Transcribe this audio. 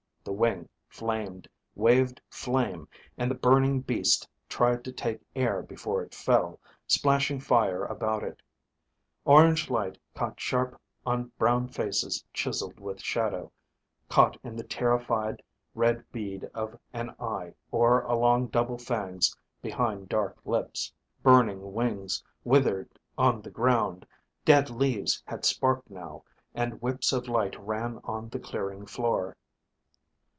A wing flamed, waved flame, and the burning beast tried to take air before it fell, splashing fire about it. Orange light caught sharp on brown faces chiseled with shadow, caught in the terrified red bead of an eye or along double fangs behind dark lips. Burning wings withered on the ground; dead leaves had sparked now, and whips of light ran on the clearing floor.